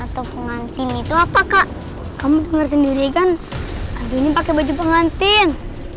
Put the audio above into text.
atau pengantin itu apa kak kamu sendiri kan adunya pakai baju pengantin